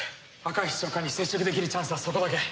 赤石長官に接触できるチャンスはそこだけ。